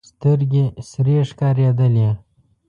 سترګې سرې ښکارېدلې.